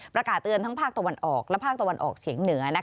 ประกาศเตือนทั้งภาคตะวันออกและภาคตะวันออกเฉียงเหนือ